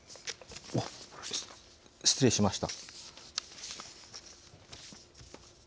失礼しました。